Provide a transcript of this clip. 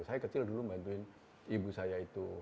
saya kecil dulu bantuin ibu saya itu